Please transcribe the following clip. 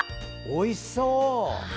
おいしそう。